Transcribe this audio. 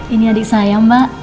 ini adik saya mbak